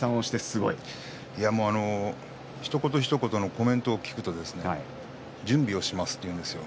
ひと言ひと言のコメントを聞くと準備をします、と言うんですよ。